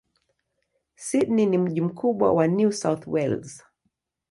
Sydney ni mji mkubwa wa New South Wales.